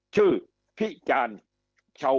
คำอภิปรายของสอสอพักเก้าไกลคนหนึ่ง